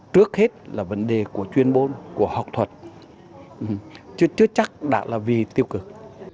trước hết là vấn đề của chuyên bôn của học thuật chứ chắc đã là vì tiêu cực